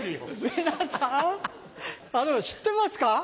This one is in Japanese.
皆さん知ってますか？